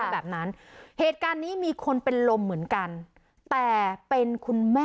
แบบนั้นเหตุการณ์นี้มีคนเป็นลมเหมือนกันแต่เป็นคุณแม่